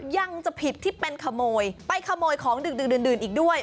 ยังจะผิดที่เป็นขโมยไปขโมยของดึกดื่นอีกด้วย